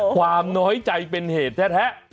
ความน้อยใจเป็นเหตุแท้